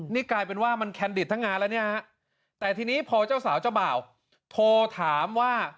นี่กลายเป็นว่ามันแคนดิตทั้งงานแล้วเนี่ยฮะแต่ทีนี้พอเจ้าสาวเจ้าบ่าวโทรถามว่า